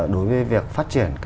đối với việc phát triển